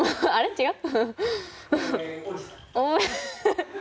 違う？